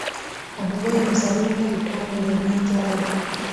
Obuwereza bulina ebitongole eby'enjawulo.